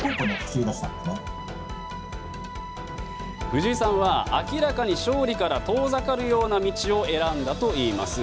藤井さんは明らかに勝利から遠ざかるような道を選んだといいます。